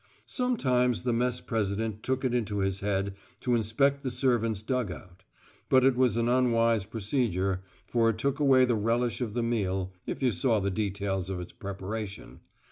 Sometimes the Mess president took it into his head to inspect the servants' dug out; but it was an unwise procedure, for it took away the relish of the meal, if you saw the details of its preparation.